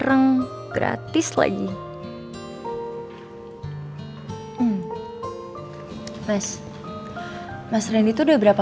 ini nih yang namanya